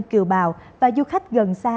kiều bào và du khách gần xa